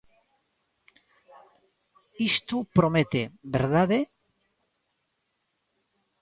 Isto promete, ¿verdade?